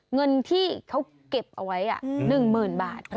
เงินที่เขาเก็บเอาไว้หนึ่งหมื่นบาท